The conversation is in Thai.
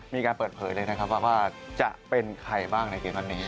มีการเปิดเผยเลยนะครับว่าจะเป็นใครบ้างในเกมนัดนี้